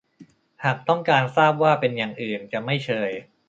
หากต้องการทราบว่าเป็นอย่างอื่นจะไม่เชย